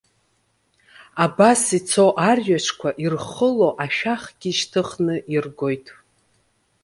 Абас ицо арҩашқәа, ирхыло ашәахгьы шьҭыхны иргоит.